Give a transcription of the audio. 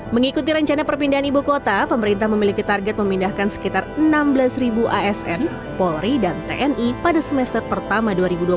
mengikuti rencana perpindahan ibu kota pemerintah memiliki target memindahkan sekitar enam belas asn polri dan tni pada semester pertama dua ribu dua puluh satu